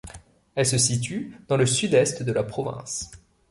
Elle se situe dans le Sud-Est de la province.